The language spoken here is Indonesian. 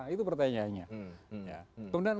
itu pertanyaannya kemudian